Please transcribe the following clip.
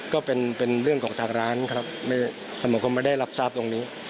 ก็เป็นเรื่องของทางร้านครับสมคมไม่ได้รับทราบตรงนี้